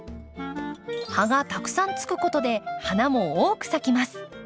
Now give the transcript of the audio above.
葉がたくさんつくことで花も多く咲きます。